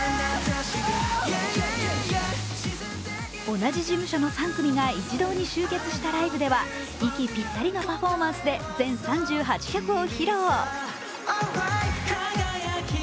同じ事務所の３組が一堂に集結したライブでは息ぴったりのパフォーマンスで全３８曲を披露。